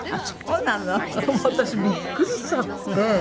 私びっくりしちゃって。